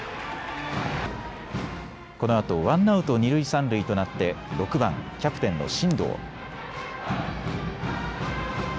このあとワンアウト二塁三塁となって６番・キャプテンの進藤。